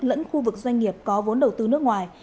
lẫn khu vực doanh nghiệp có vốn đầu tư nước ngoài